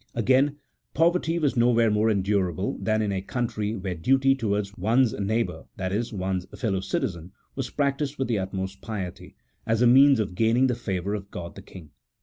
Again, poverty was nowhere more endurable than in a country where duty towards one's neighbour, that is, one's fellow citizen, was practised with the utmost piety, as a means of gaining the favour of God the King.